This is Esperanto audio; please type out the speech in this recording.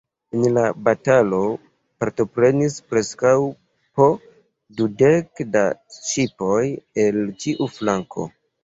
En la batalo partoprenis preskaŭ po dudeko da ŝipoj el ĉiu flanko.